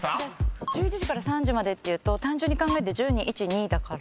１１時から３時までっていうと単純に考えて１２１２だから。